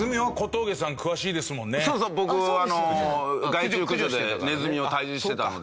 そうそう僕あの害虫駆除でネズミを退治してたので。